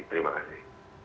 terima kasih terima kasih